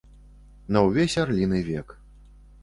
На ўвесь арліны век.